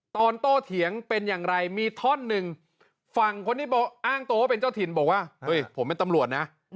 ตอนโตเถียงมีท่อนึงฟังผู้อ้างโตว่าเป็นเจ้าถิ่นบอกว่าผมเป็นตำรวจนะ